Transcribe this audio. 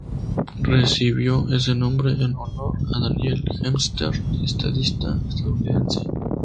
Recibió ese nombre en honor de Daniel Webster, estadista estadounidense.